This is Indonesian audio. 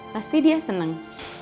pasti dia seneng